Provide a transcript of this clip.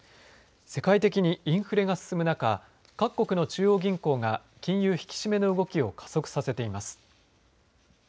世界的にインフレが進む中各国の中央銀行が金融引き締めの動きを加速させています。